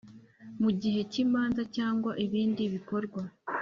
Mu gihe cy imanza cyangwa ibindi bikorwa